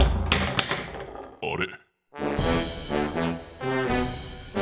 あれ？